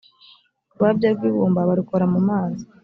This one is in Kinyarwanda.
urwabya rw’ ibumba barukora mumazi.